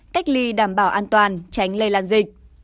cách ly đảm bảo an toàn tránh lây lan dịch